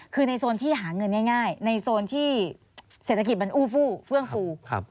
คือในโซนที่หาเงินง่ายในโซนที่เศรษฐกิจมันอู้ฟู้เฟื่องฟู